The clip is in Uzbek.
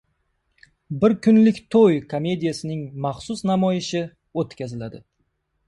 “Bir kunlik to‘y” komediyasining maxsus namoyishi o‘tkaziladi